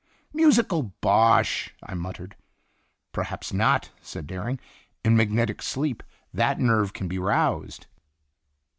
"Musical bosh!" I muttered. "Perhaps not," said Dering; "in magnetic sleep that nerve can be roused."